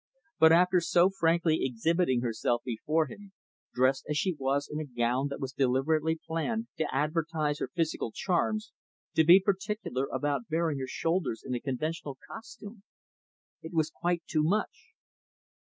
But after so frankly exhibiting herself before him, dressed as she was in a gown that was deliberately planned to advertise her physical charms, to be particular about baring her shoulders in a conventional costume ! It was quite too much.